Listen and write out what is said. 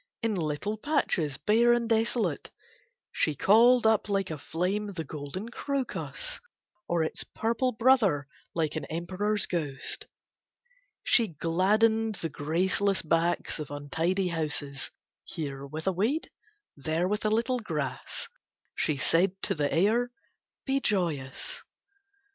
In little patches bare and desolate she called up like a flame the golden crocus, or its purple brother like an emperor's ghost. She gladdened the graceless backs of untidy houses, here with a weed, there with a little grass. She said to the air, "Be joyous."